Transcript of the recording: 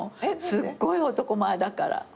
すっごい男前だから。